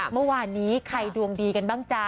เมื่อวานนี้ใครดวงดีกันบ้างจ๊ะ